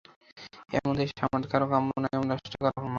এমন দেশ আমাদের কারও কাম্য নয়, এমন রাষ্ট্র কারও কাম্য নয়।